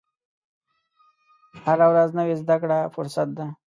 هره ورځ نوې زده کړه فرصت ده.